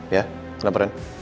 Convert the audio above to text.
ya kenapa ren